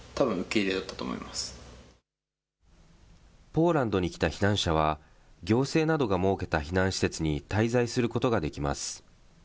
ポーランドに来た避難者は、行政などが設けた避難施設に滞在することができます。